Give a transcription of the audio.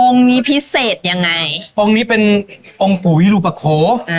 นี้พิเศษยังไงองค์นี้เป็นองค์ปุ๋ยรูปะโคอ่า